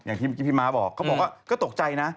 อย่างที่พี่ม้าบอกเขาบอกว่าก็ตกใจนะ